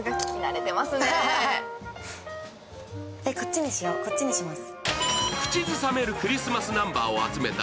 こっちにしようこっちにします。